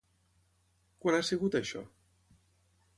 Quan ha sigut això?